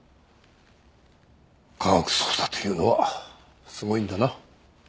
科学捜査というのはすごいんだな。